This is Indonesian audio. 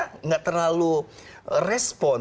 tidak terlalu respon